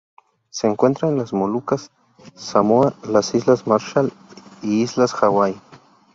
Se encuentra en las Molucas, Samoa, las Islas Marshall y Islas Hawaii.